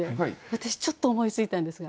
私ちょっと思いついたんですが。